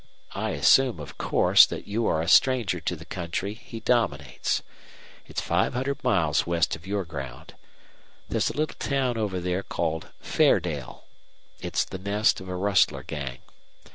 I assume, of course, that you are a stranger to the country he dominates. It's five hundred miles west of your ground. There's a little town over there called Fairdale. It's the nest of a rustler gang.